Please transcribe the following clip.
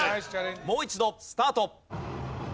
もう一度スタート！